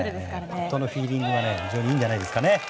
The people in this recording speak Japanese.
パットのフィーリングが非常にいいんじゃないんですかね。